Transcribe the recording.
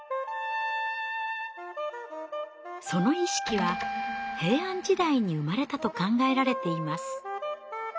その意識は平安時代に生まれたと考えられています。